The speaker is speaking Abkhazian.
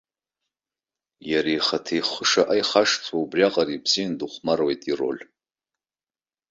Иара ихаҭа ихы шаҟа ихашҭуа, убриаҟара ибзианы дыхәмаруеит ироль.